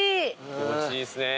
気持ちいいっすね。